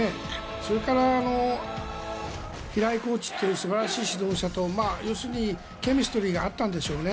それから平井コーチという素晴らしい指導者と要するにケミストリーが合ったんでしょうね。